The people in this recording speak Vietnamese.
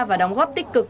và đóng góp tích cực